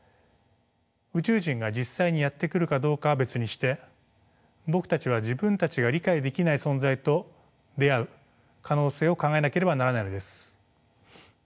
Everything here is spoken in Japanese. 宇宙人が実際にやって来るかどうかは別にして僕たちは自分たちが理解できない存在と出会う可能性を考えなければならないのです。